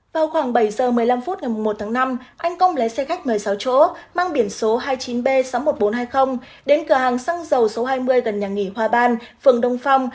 vào khoảng bảy giờ một mươi năm phút ngày một tháng năm anh công lái xe khách một mươi sáu chỗ mang biển số hai mươi chín b sáu mươi một nghìn bốn trăm hai mươi đến cửa hàng xăng dầu số hai mươi gần nhà nghỉ hoa ban phường đông phong